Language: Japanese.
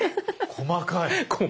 細かい。